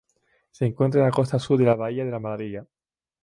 Se encuentra en la costa sur de la bahía de la Maravilla.